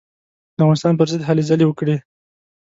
د افغانستان پر ضد هلې ځلې وکړې.